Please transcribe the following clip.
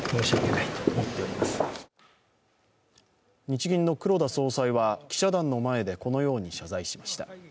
日銀の黒田総裁は記者団の前でこのように謝罪しました。